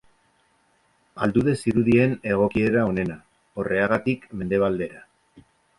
Aldude zirudien egokiera onena, Orreagatik mendebaldera.